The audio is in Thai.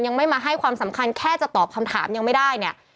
ยังไม่มาให้ความสำคัญแค่จะตอบคำถามยังไม่ได้เนี่ย